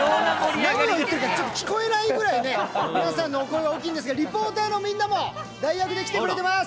何を言ってるか聞こえないくらい皆さんのお声が大きいんですがリポーターのみんなも代役で来てくれています。